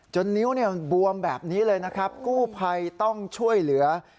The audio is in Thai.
จนนิ้วบวมแบบนี้เลยนะครับกู้ไพยต้องช่วยเหลือ